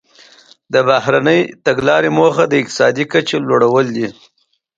د بهرنۍ تګلارې موخه د اقتصادي کچې لوړول دي